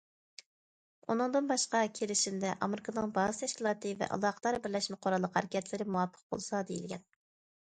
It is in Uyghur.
ئۇندىن باشقا، كېلىشىمدە، ئامېرىكىنىڭ بازا تەشكىلاتى ۋە ئالاقىدار بىرلەشمە قوراللىق ھەرىكەتلىرى مۇۋاپىق بولسا دېيىلگەن.